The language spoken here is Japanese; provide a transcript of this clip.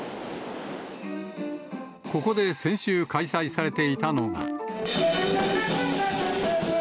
ここで先週開催されていたのが。